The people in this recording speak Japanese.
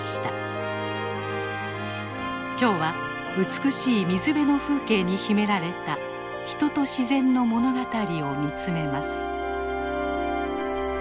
今日は美しい水辺の風景に秘められた人と自然の物語を見つめます。